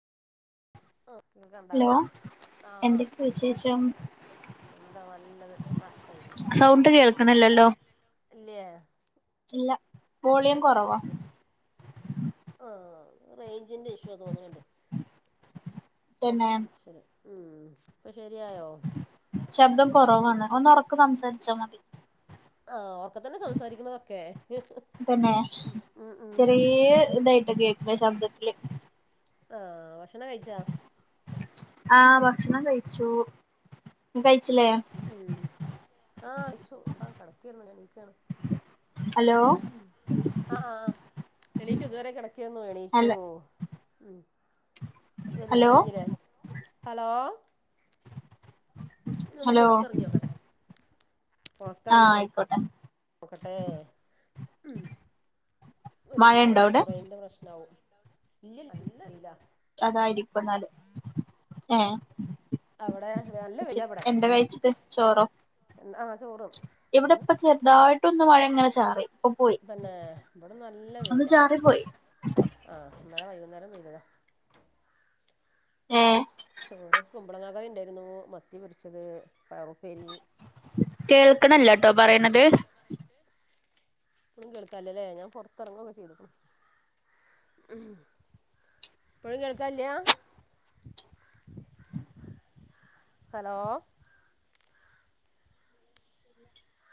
ആഹാ കണ്ടോ ഹലോ ആഹ് ആഹ് എന്തൊക്കെ വിശേഷം എന്താ നല്ലത് റാഹത്തായി പോവുന്നു സൗണ്ട് ഒന്നുല്ല സൗണ്ട് കേൾക്കണില്ലല്ലോ കേൾക്കുന്നില്ലല്ലോ ഇല്ലയേ ഇല്ല വോളിയം കൊറവാ ഓ റേയ്ഞ്ചിന്റെറെ ഇഷ്യൂ തൊന്ന്ണ്ട് തന്നെം ശരി ഉം ഇപ്പൊ ശരിയായോ ശബ്ദം കൊറവാണ് ഒന്ന് ഒറക്കെ സംസാരിച്ചാ മതി ആഹ് ഓർക്ക തന്നെ സംസാരിക്കുന്നതൊക്കെ ഉം ഉം ഏ ഇതായിട്ട് കേക്കുന്ന ശബ്ദത്തില് ആഹ് ഭക്ഷണം കഴിച്ചോ ആഹ് ഭക്ഷണം കഴിച്ചു നീ കഴിച്ചിലേ ഉം ആഹ് അയച്ചു കടക്കേന്നു എണിക്കാണ് ഹലോ ആഹ് ആഹ് എണീറ്റു ഇതുവരെ കെടക്കേന്നു എണീറ്റു ഹലോ ഉം ജോലിയൊക്കെ ഹലോ കഴിഞ്ഞിലെ ഹലോ ഇങ്ങൊ ഒന്ന് ഹലോ പൊറത്തറങ്ങി നോക്കട്ടെ ആഹ് ആയിക്കോട്ടെ നൊക്കട്ടെ ഉം മഴയുണ്ടോ അവിടെ റമൂലായിട്ട് റേന്റെ പ്രശ്നാവും ഇല്ല നല്ല വെയ്ലാ അതായിരിക്കും എന്നാല് ഏ അവിടെ നല്ല വെയ്ല ശരി വടെ എന്താ കഴിച്ചിട്ട് ചോറോ ആഹ് ചോറ്ക്ക ഇവിടെ ഇപ്പം ചെറുതായിട്ടൊന്ന് മഴ ഇങ്ങനെ ചാറി ഇപ്പൊ പോയി തന്നെ ഇവിടന്ന് നല്ല ഒന്ന് വെയില ചാറി പോയി ആഹ് ഇന്നലെ വൈകുന്നേരം പെയിതതാ ഏ ചോറ് കുമ്പളങ്ങകറി ഉണ്ടായിരുന്നു മത്തി പൊരിച്ചത് പയറുപ്പേരി കേൾക്കണ്ല്ലട്ടോ പറിയിണത് മ് കേൾക്കാല്ലലെ ഞാൻ പൊറത്തിറങ്ങൊക്കെ ചെയ്യ്ത്ക്ക്ണ് ഉം ഇപ്പോഴും കേൾക്കല്ലയാ ഹലോ